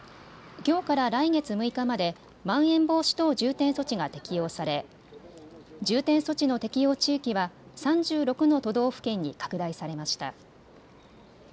きょうから来月６日までまん延防止等重点措置が適用され重点措置の適用地域は３６の都道府県に拡大されました。